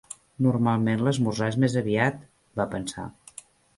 Normalment l'esmorzar és més aviat, va pensar.